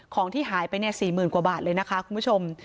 ของที่หายไปเนี้ยสี่หมื่นกว่าบาทเลยนะคะคุณผู้ชม